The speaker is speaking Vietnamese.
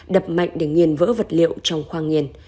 đập mạnh để nghiền vỡ vật liệu trong khoang nghiền